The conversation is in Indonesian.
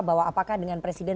bahwa apakah dengan presiden